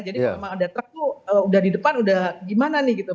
jadi kalau emang ada truk tuh udah di depan udah gimana nih gitu